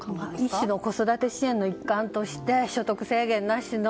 一種の子育て支援の一環として、所得制限なしの。